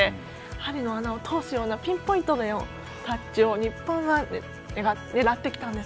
針の穴を通すようなピンポイントのタッチを日本は狙ってきたんです。